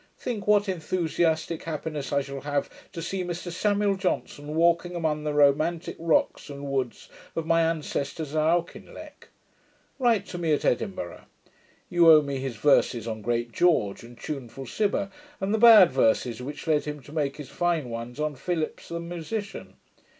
Think what enthusiastick happiness I shall have to see Mr Samuel Johnson walking among the romantick rocks and woods of my ancestors at Auchinleck! Write to me at Edinburgh. You owe me his verses on great George and tuneful Cibber, and the bad verses which led him to make his fine ones on Philips the musician.